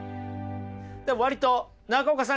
割と中岡さん